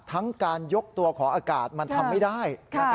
ทั้งการยกตัวของอากาศมันทำไม่ได้